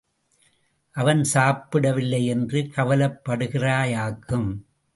அவன் சாப்பிடவில்லை என்று கவலைப்படுகிறாயாக்கும்.